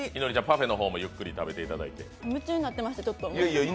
ちょっと夢中になってました。